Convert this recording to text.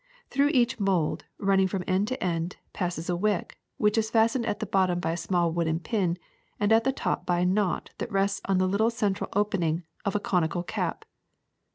Through each mold, running from end to end, passes a wick, which is fastened at the bottom by a small wooden pin, and at the top by a knot that rests on the little central opening of a conical cap.